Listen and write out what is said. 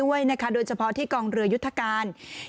พอพาไปดูก็จะพาไปดูที่เรื่องของเครื่องบินเฮลิคอปเตอร์ต่าง